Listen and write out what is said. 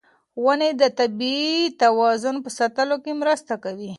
ونې د طبیعي توازن په ساتلو کې مرسته کوي.